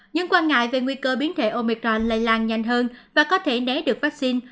những quan ngại về nguy cơ biến thể omicron lây lan nhanh hơn và có thể né được vaccine